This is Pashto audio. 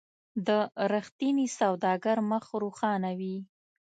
د رښتیني سوداګر مخ روښانه وي.